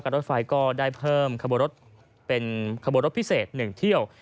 การรถไฟก็ได้เพิ่มคบอรถเป็นคบอรถพิเศษหนึ่งเที่ยว